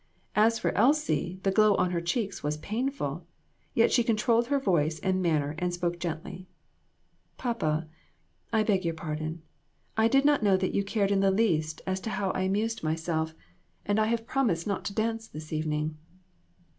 As for Elsie, the glow on her cheeks was painful; yet she controlled her voice and manner and spoke gently "Papa, I beg your pardon. I did not know that you cared in the least as to how I amused 2QO INTRICACIES. myself, and I have promised not to dance this evening."